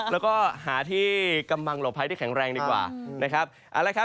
แล้วก็หาที่กำลังหลบไพรที่แข็งแรงดีกว่า